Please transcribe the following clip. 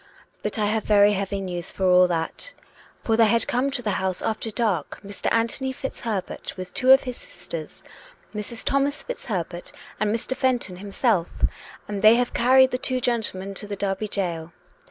But I have very heavy news, for all that; for there had come to the house after dark Mr. Anthony FitzHerbert, with two of his sisters, Mrs. Thomas Fitz Herbert and Mr. Fenton himself, and they have carried the two gentlemen to the Derby gaol.